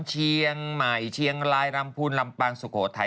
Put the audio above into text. เชียงใหม่เชียงรายลำพูนลำปางสุโขทัย